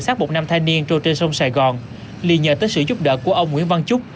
sát một nam thanh niên trôi trên sông sài gòn liền nhờ tới sự giúp đỡ của ông nguyễn văn trúc